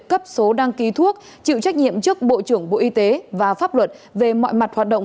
cấp số đăng ký thuốc chịu trách nhiệm trước bộ trưởng bộ y tế và pháp luật về mọi mặt hoạt động